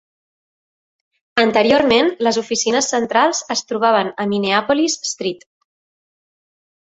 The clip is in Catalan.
Anteriorment, les oficines centrals es trobaven a Minneapolis-St.